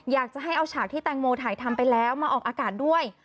อยากจะให้เอาฉากที่แตงโมถ่ายทำไปแล้วมาออกอากาศด้วย